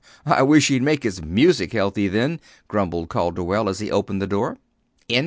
"Humph! I wish he'd make his music healthy, then," grumbled Calderwell, as he opened the door. CHAPTER XII.